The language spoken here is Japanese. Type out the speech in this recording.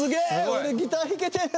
俺ギター弾けてる！